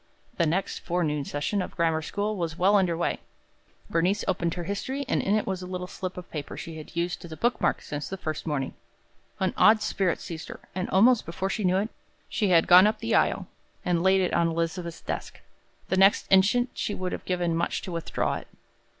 The next forenoon session of the grammar school was well under way. Bernice opened her history, and in it was a little slip of paper that she had used as a book mark since that first morning. An odd spirit seized her, and almost before she knew it, she had gone up the aisle, and laid it on Elizabeth's desk. The next instant she would have given much to withdraw it.